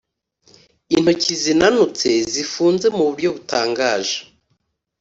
intoki zinanutse zifunze muburyo butangaje,